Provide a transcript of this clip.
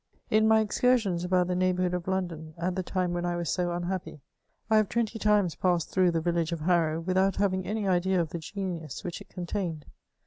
In my excursions about the neighbourhood of London, at the time when I was so unhappy, I have twenty times passed through the village of Harrow, without having any idea of the genius which it contained.